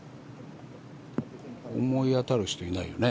思い当たる人いないよね。